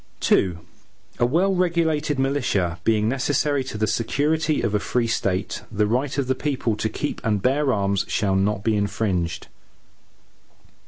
II A well regulated militia, being necessary to the security of a free State, the right of the people to keep and bear arms, shall not be infringed.